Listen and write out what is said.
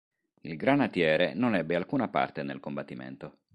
Il "Granatiere" non ebbe alcuna parte nel combattimento.